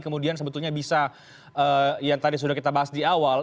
kemudian sebetulnya bisa yang tadi sudah kita bahas di awal